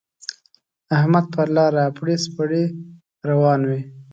احمد پر لاره اپړې سپړې روان وِي.